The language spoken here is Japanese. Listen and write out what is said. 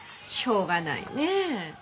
しょうがないねえ